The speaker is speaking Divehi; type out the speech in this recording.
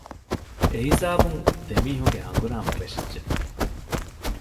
އެހިސާބުން ދެމީހުންގެ ހަނގުރާމަ ފެށިއްޖެ